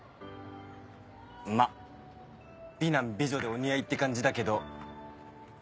まっ美男美女でお似合いって感じだけど。